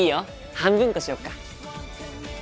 半分こしよっか。